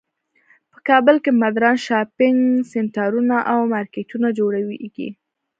په کابل کې مدرن شاپینګ سینټرونه او مارکیټونه جوړیږی